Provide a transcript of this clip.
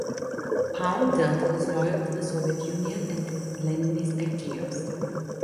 Palme Dutt was loyal to the Soviet Union and to Leninist ideals.